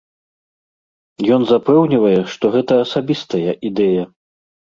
Ён запэўнівае, што гэта асабістая ідэя.